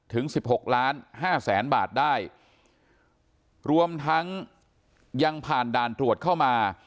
ถึงสิบหกล้านห้าแสนบาทได้รวมทั้งยังผ่านด่านตรวจเข้ามา